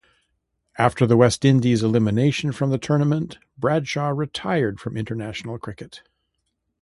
After the West Indies' elimination from the tournament, Bradshaw retired from international cricket.